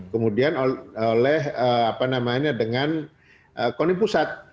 kemudian oleh apa namanya dengan koni pusat